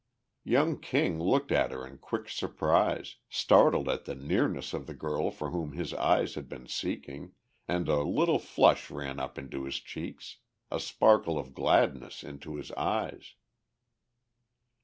Young King looked at her in quick surprise, startled at the nearness of the girl for whom his eyes had been seeking, and a little flush ran up into his cheeks, a sparkle of gladness into his eyes.